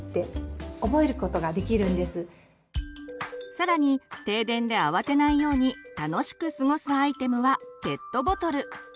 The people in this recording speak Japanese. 更に停電で慌てないように楽しく過ごすアイテムはペットボトル！